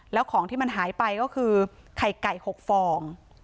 แล้วของที่มันหายไปก็คือไข่ไก่๖ฟอง